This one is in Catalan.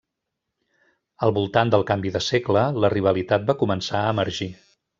Al voltant del canvi de segle, la rivalitat va començar a emergir.